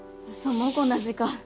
もうこんな時間。